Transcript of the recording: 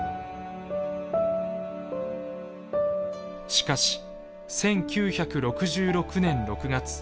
しかし１９６６年６月。